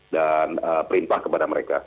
dan perintah kepada perusahaan